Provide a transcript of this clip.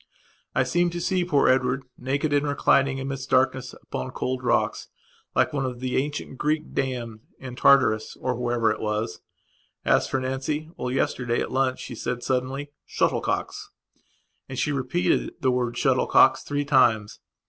I seem to see poor Edward, naked and reclining amidst darkness, upon cold rocks, like one of the ancient Greek damned, in Tartarus or wherever it was. And as for Nancy... Well, yesterday at lunch she said suddenly: "Shuttlecocks!" And she repeated the word "shuttlecocks" three times.